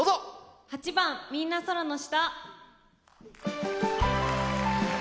８番「みんな空の下」。